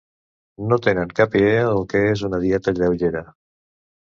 No tenen cap idea del que és una dieta lleugera